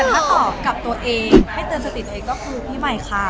ถ้าตอบกับตัวเองให้เตือนสติตัวเองก็คือพี่ใหม่ค่ะ